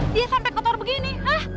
dia sampai kotor begini